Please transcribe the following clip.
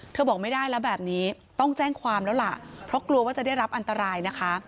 บอกไม่ได้แล้วแบบนี้ต้องแจ้งความแล้วล่ะเพราะกลัวว่าจะได้รับอันตรายนะคะ